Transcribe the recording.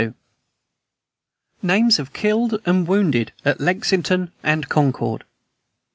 _" NAMES OF THE KILLED AND WOUNDED AT LEXINGTON AND CONCORD.